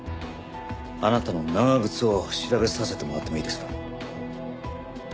あなたの長靴を調べさせてもらってもいいですか？